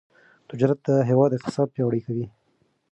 تجارت د هیواد اقتصاد پیاوړی کوي.